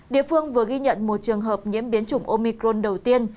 địa phương vừa ghi nhận một trường hợp nhiễm biến chủng omicron đầu tiên